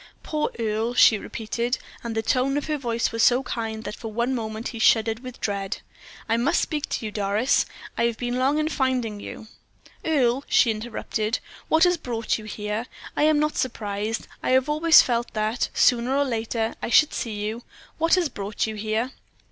"Poor Earle," she repeated; and the tone of her voice was so kind that for one moment he shuddered with dread. "I must speak to you, Doris. I have been long in finding you " "Earle," she interrupted, "what has brought you here? I am not surprised. I have always felt that, sooner or later, I should see you. What has brought you here?"